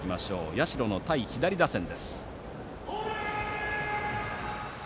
社の対左打線です。